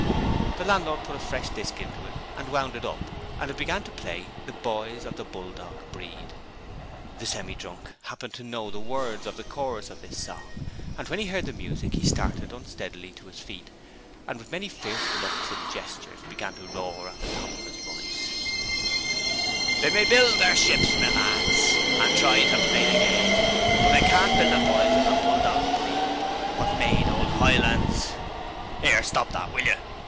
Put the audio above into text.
The landlord put a fresh disc into it and wound it up and it began to play 'The Boys of the Bulldog Breed.' The Semi drunk happened to know the words of the chorus of this song, and when he heard the music he started unsteadily to his feet and with many fierce looks and gestures began to roar at the top of his voice: 'They may build their ships, my lads, And try to play the game, But they can't build the boys of the Bulldog breed, Wot made ole Hingland's ' ''Ere! Stop that, will yer?'